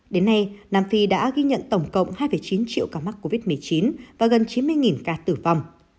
đến nay nam phi đã ghi nhận tổng cộng hai chín triệu ca mắc covid một mươi chín và gần chín mươi ca tử vong